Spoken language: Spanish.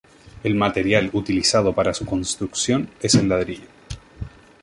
El material utilizado para su construcción es el ladrillo.